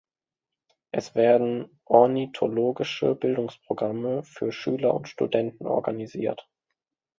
Es werden ornithologische Bildungsprogramme für Schüler und Studenten organisiert.